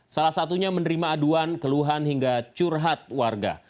salah satunya menerima aduan keluhan hingga curhat warga